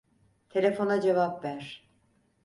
Telefona cevap ver.